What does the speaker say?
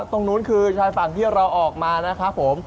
ตรงนู้นคือชายฝั่งที่เราออกมานะครับผม